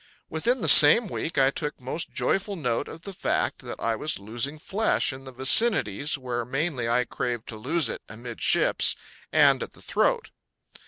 Within the same week I took most joyful note of the fact that I was losing flesh in the vicinities where mainly I craved to lose it amidships and at the throat.